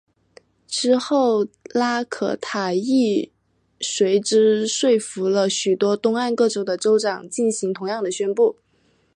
之后拉可塔亦随之说服了众多东岸各州的州长进行相同的宣布。